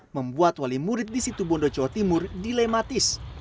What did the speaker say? membuat wali murid di situ bondo jawa timur dilematis